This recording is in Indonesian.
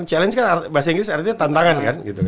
challenge kan bahasa inggris artinya tantangan kan